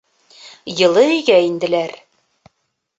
Йылы өйгә инделәр.